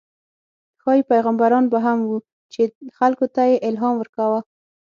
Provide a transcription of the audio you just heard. ښايي پیغمبران به هم وو، چې خلکو ته یې الهام ورکاوه.